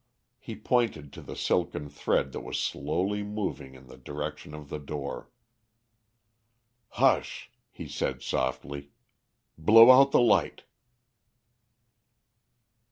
He pointed to the silken thread that was slowly moving in the direction of the door. "Hush!" he said softly. "Blow out the light."